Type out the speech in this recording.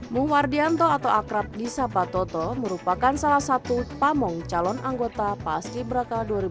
muwardianto atau akrab gisapa toto merupakan salah satu pamong calon anggota paski beraka dua ribu dua puluh tiga